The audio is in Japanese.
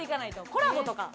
コラボとか。